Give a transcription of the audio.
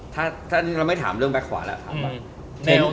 ถ้าเราไม่ถามเรื่องแบบขวาแล้ว